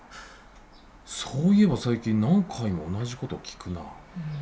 そういえば最近何回も同じ事聞くな。